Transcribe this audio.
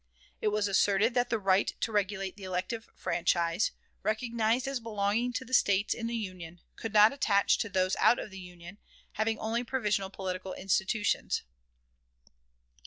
It was asserted that the right to regulate the elective franchise, recognized as belonging to the States in the Union, could not attach to those out of the Union, and having only provisional political institutions.